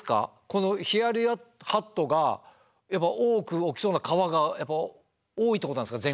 このヒヤリハットが多く起きそうな川が多いってことなんですか